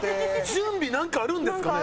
準備なんかあるんですかね？